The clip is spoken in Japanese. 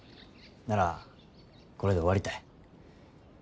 ならこれで終わりたい。